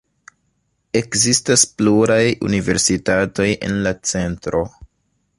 Ekzistas pluraj universitatoj en la centro.